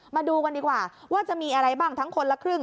มาดูกันดีกว่าว่าจะมีอะไรบ้างทั้งคนละครึ่ง